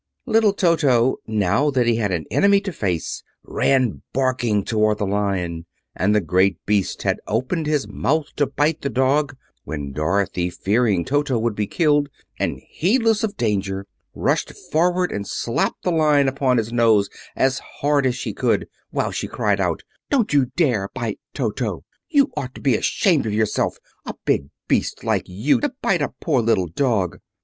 Little Toto, now that he had an enemy to face, ran barking toward the Lion, and the great beast had opened his mouth to bite the dog, when Dorothy, fearing Toto would be killed, and heedless of danger, rushed forward and slapped the Lion upon his nose as hard as she could, while she cried out: "Don't you dare to bite Toto! You ought to be ashamed of yourself, a big beast like you, to bite a poor little dog!"